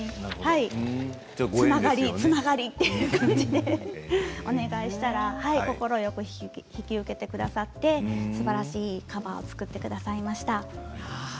つながり、つながりという感じでお願いしたら快く引き受けてくださってすばらしいカバーを作ってくださいました。